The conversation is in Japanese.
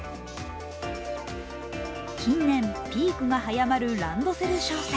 近年、ピークが早まるランドセル商戦。